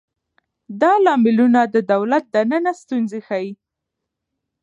دا لاملونه د دولت دننه ستونزې ښيي.